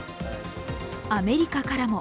アメリカからも。